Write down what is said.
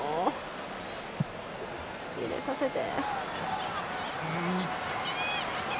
入れさせて。